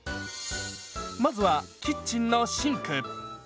まずはキッチンのシンク。